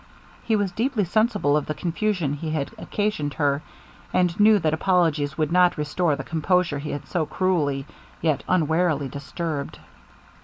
He was deeply sensible of the confusion he had occasioned her, and knew that apologies would not restore the composure he had so cruelly yet unwarily disturbed.